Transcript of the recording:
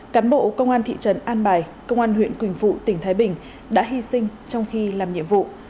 cán bộ công an thị trấn an bài công an huyện quỳnh phụ tỉnh thái bình đã hy sinh trong khi làm nhiệm vụ